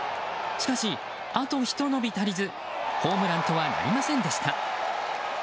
しかし、あとひと伸び足りずホームランとはなりませんでした。